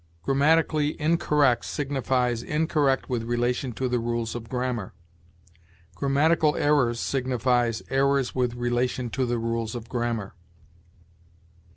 Grammatically incorrect signifies INCORRECT WITH RELATION TO THE RULES OF GRAMMAR. Grammatical errors signifies ERRORS WITH RELATION TO THE RULES OF GRAMMAR.